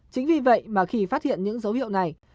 chính vì vậy mà khi phát hiện những dấu hiệu này